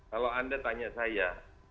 kalau anda tanya saya